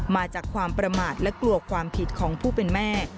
มาจากความประมาทและกลัวความผิดของผู้เป็นแม่